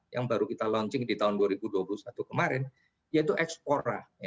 yang baru kita launching di tahun dua ribu dua puluh satu kemarin yaitu ekspora